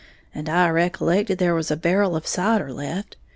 And I recollected there was a barrel of cider left.